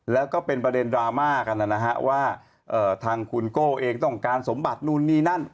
แล้วก็เป็นประเด็นดราม่ากันนะฮะว่าทางคุณโก้เองต้องการสมบัตินู่นนี่นั่น